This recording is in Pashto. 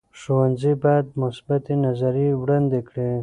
ښوونکي باید مثبتې نظریې وړاندې کړي.